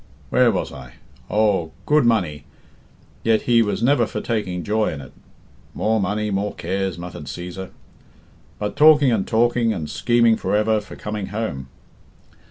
"Where was I? Oh, 'good money ' 'Yet he was never for taking joy in it '" "More money, more cares," muttered Cæsar. "'But talking and talking, and scheming for ever, for coming home.'"